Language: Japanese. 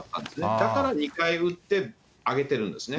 だから２回打って、あげているんですね。